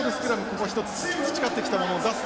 ここ一つ培ってきたものを出す。